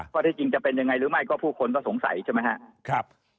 ข้อที่จริงจะเป็นยังไงหรือไม่ก็ผู้คนก็สงสัยใช่ไหมครับ